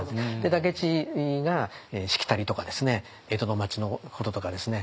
武市がしきたりとかですね江戸の町のこととかですね